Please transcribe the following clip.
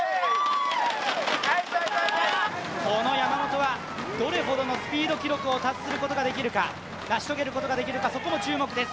この山本はどれほどのスピード記録を成し遂げることができるか、そこも注目です